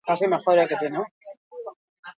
Emakume bat zauritu da sismo berri horren ondorioz.